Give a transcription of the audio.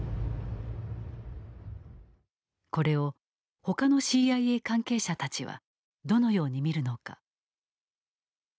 これをほかのＣＩＡ関係者たちはどのように見るのか。